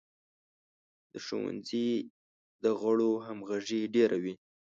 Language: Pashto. د ښوونځي د غړو همغږي ډیره وي.